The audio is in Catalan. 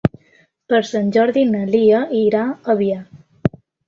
Per Sant Jordi na Lia irà a Biar.